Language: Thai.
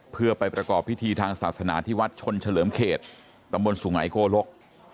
เพื่อไปประกอบพิธีทางศาสนาที่วัดชนเฉลิมเขตตำบลสุงัยโกลก